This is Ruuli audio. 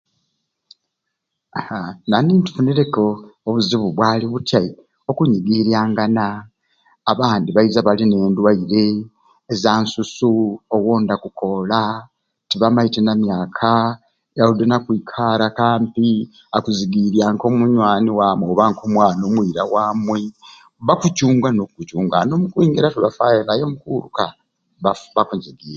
Ahaa nali nfunireku obuzibu bwali butyai, okumigiryangana abandi baiza balina e dwaire za nsusu owondi akukoola tibamaite na myaka odi nakwikalaku ampi akuzigiirya mbe ko munywani wamu oba ko mwana omwirwaro waabwe bakucunga n'okkucunga ani omukwingira tibafaayo naye omu kuuluka bafu bakunyigiirya.